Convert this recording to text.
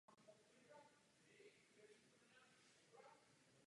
Bezprostředně poté následuje další hlavička a případný obsah souboru.